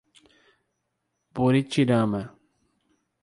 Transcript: Buritirama